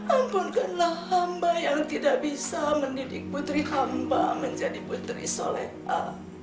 ampunkanlah hamba yang tidak bisa mendidik putri hamba menjadi putri saleh a